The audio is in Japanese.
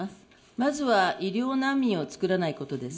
まずは医療難民を作らないことです。